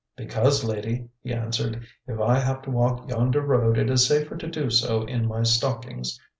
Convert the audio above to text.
"Because, Lady," he answered, "if I have to walk yonder road it is safer to do so in my stockings.